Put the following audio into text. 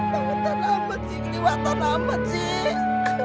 banget batik diwakil amat sih